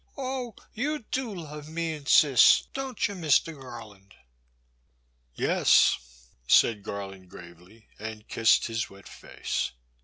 Oh, you do love me and Cis, don't you. Mister Garland ?Yes," said Garland, gravely, and kissed his wet face.